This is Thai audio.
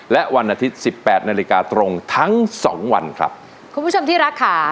และวันอาทิตย์สิบแปดนาฬิกาตรงทั้งสองวันครับคุณผู้ชมที่รักค่ะ